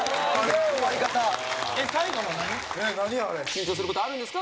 緊張する事あるんですか？